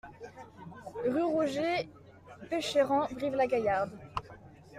Rue Roger Pecheyrand, Brive-la-Gaillarde